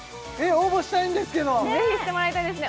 応募したいんですけどぜひしてもらいたいですね